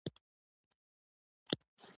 د وګړو زیاتېدل ورته مهم نه ښکاري.